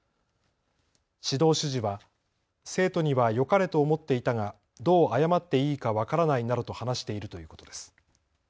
指導主事は生徒にはよかれと思っていたがどう謝っていいか分からないなどと話しているということです。